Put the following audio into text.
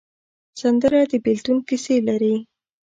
سندره د بېلتون کیسې لري